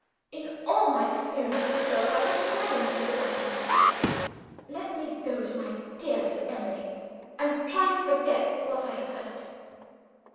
In all my experience of girls, I have never met with the like of it. Let me go to my dear little Emily and try to forget what I have heard."